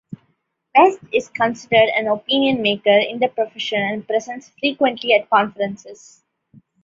West is considered an "opinion maker" in the profession and presents frequently at conferences.